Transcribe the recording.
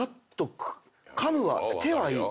手はいい。